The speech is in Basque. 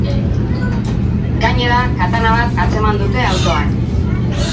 Gainera, katana bat atzeman dute autoan.